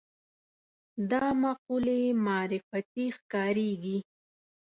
دا مقولې معرفتي ښکارېږي